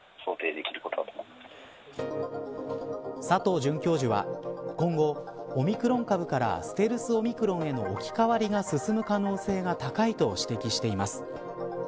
佐藤准教授は今後オミクロン株からステルスオミクロンへの置き換わりが進む可能性が高いと指摘しています。